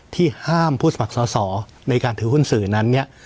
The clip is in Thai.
ที่ห้ามผู้สมัครสอสอในการถือหุ้นสื่อนั้นเนี่ย